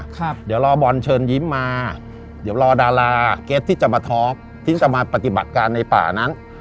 ครับเดี๋ยวรอบอลเชิญยิ้มมาเดี๋ยวรอดาราเก็ตที่จะมาทอปที่จะมาปฏิบัติการในป่านั้น